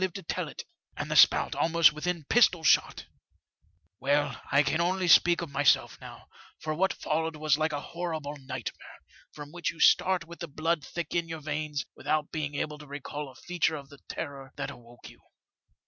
e to tell it, and the spout almost within pistol shot ! "Well, I can only speak of myself now, for what followed was like a horrible nightmare, from which you start with the blood thick in your veins, without being able to recall a feature of the terror that awoke you.